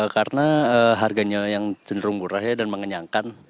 karena harganya yang cenderung murah ya dan mengenyangkan